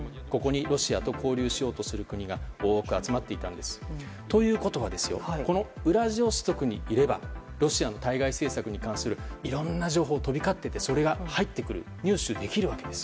ロシアと交流しようとする国が多く集まっていたのです。ということはウラジオストクにいればロシアの対外政策に関するいろんな情報が飛び交っていてそれが入ってくる入手できると。